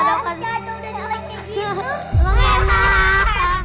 kalau udah jeleknya gitu